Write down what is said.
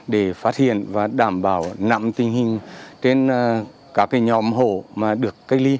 để phát hiện và đảm bảo nặng tình hình trên các nhóm hồ